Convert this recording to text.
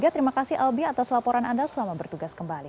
terima kasih albi atas laporan anda selamat bertugas kembali